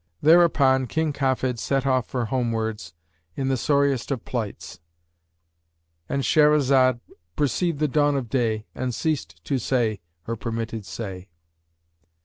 Thereupon King Kafid set off home wards, in the sorriest of plights,"—And Shahrazad perceived the dawn of day and ceased to say her permitted say.